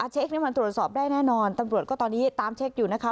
เช็คนี่มันตรวจสอบได้แน่นอนตำรวจก็ตอนนี้ตามเช็คอยู่นะคะ